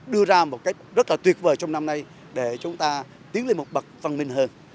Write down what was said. đưa ra một cách rất là tuyệt vời trong năm nay để chúng ta tiến lên một bậc văn minh hơn